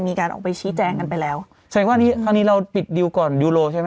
มีการออกไปชี้แจงกันไปแล้วฉะนั้นว่าที่คราวนี้เราปิดดิวก่อนดิวโลใช่ไหม